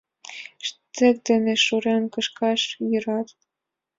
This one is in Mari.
Штык дене шурен кышкаш йӧрат...